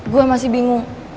gue masih bingung